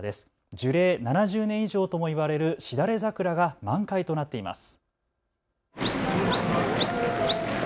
樹齢７０年以上ともいわれるしだれ桜が満開となっています。